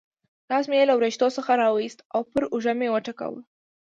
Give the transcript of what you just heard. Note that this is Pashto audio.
لاس مې یې له وریښتو څخه را وایست او پر اوږه مې وټکاوه.